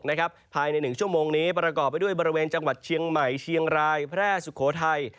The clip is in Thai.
ภายใน๑ชั่วโมงนี้ประกอบไปด้วยบริเวณจังหวัดเชียงใหม่เชียงรายแพร่สุโขทัย